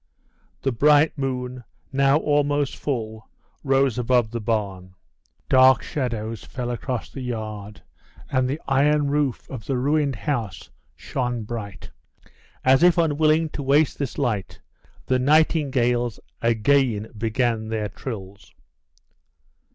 The bright moon, now almost full, rose above the barn. Dark shadows fell across the yard, and the iron roof of the ruined house shone bright. As if unwilling to waste this light, the nightingales again began their trills.